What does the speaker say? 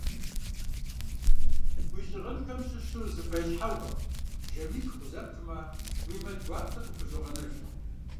Уи щыгъынхэм щыщу зы фэилъхьэгъуэ, жэмитху къызэптмэ, уи мэл гуартэр къыпхузогъэнэж.